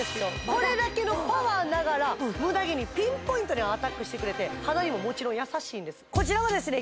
これだけのパワーながらムダ毛にピンポイントでアタックしてくれて肌にももちろん優しいんですこちらはですね